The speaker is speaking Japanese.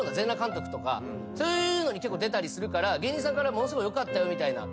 そういうのに結構出たりするから芸人さんからものすごいよかったよみたいな。